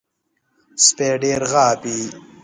سپي ډېر غاپي .